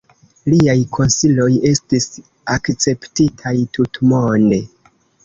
Liaj konsiloj estis akceptitaj tutmonde.